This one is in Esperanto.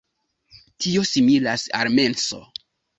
Tio similas al menso.